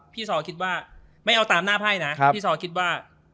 ซอคิดว่าไม่เอาตามหน้าไพ่นะพี่ซอคิดว่า